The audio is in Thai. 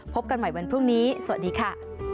กันใหม่วันพรุ่งนี้สวัสดีค่ะ